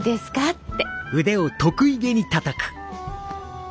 って。